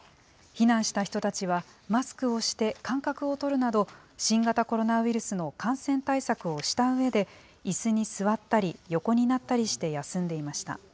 避難した人たちは、マスクをして間隔を取るなど、新型コロナウイルスの感染対策をしたうえで、いすに座ったり、横になったりして休んでいました。